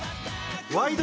「ワイド！